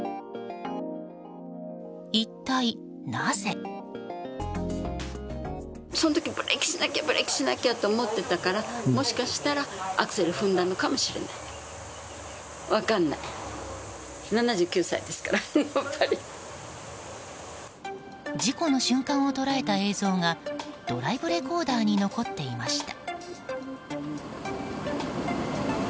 一体なぜ？事故の瞬間を捉えた映像がドライブレコーダーに残っていました。